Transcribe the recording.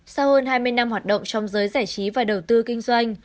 sau hơn hai mươi năm hoạt động trong giới giải trí và đầu tư kinh doanh